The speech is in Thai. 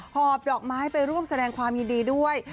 หอบดอกไม้ไปร่วมแสดงความยินดีด้วย